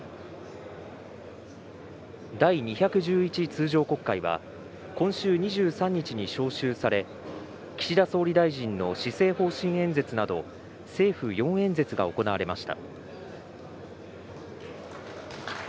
第２１１通常国会は今週２３日に召集され、岸田総理大臣の施政方針演説など政府４演説が行われました。